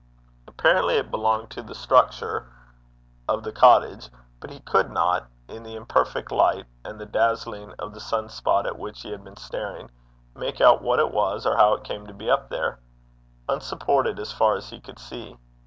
Apparently it belonged to the structure of the cottage, but he could not, in the imperfect light, and the dazzling of the sun spot at which he had been staring, make out what it was, or how it came to be up there unsupported as far as he could see.